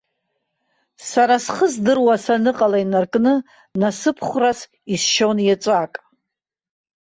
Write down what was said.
Сара схы здыруа саныҟала инаркны, насыԥхәрас исшьон еҵәак.